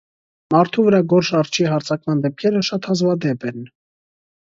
Մարդու վրա գորշ արջի հարձակման դեպքերը շատ հազվադեպ են։